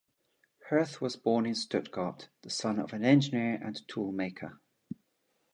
Hirth was born in Stuttgart, the son of an engineer and tool-maker.